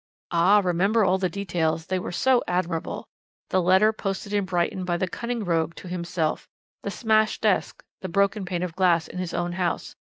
"Ah! remember all the details, they were so admirable! the letter posted in Brighton by the cunning rogue to himself, the smashed desk, the broken pane of glass in his own house.